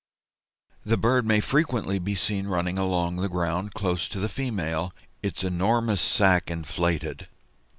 The bird may frequently be seen running along the ground close to the female, its enormous sac inflated.